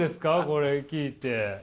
これ聞いて。